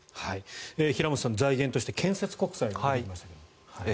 平元さん、財源として建設国債がありました。